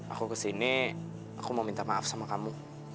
aku kesini aku mau minta maaf sama kamu